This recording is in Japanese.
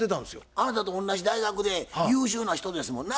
あなたと同じ大学で優秀な人ですもんな？